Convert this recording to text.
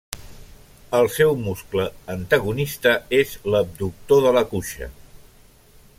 El seu muscle antagonista és l'abductor de la cuixa.